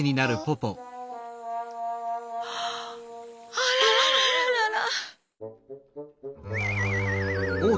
あらららららら。